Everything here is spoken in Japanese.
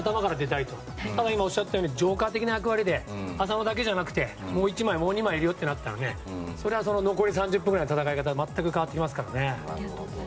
ただ、今おっしゃったようにジョーカー的な役割で浅野だけじゃなくてもう１枚、もう２枚いるよとなったのでそれは残り３０分ぐらいの戦い方全く変わりますから。